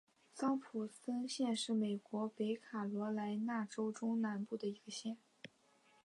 桑普森县是美国北卡罗莱纳州中南部的一个县。